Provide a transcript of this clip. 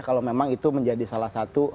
kalau memang itu menjadi salah satu